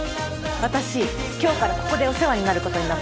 私今日からここでお世話になる事になったんで。